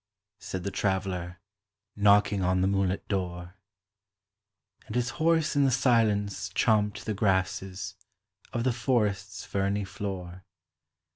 said the Traveler, Knocking on the moonlit door; And his horse in the silence chomped the grasses Of the forest's ferny floor.